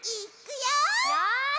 よし！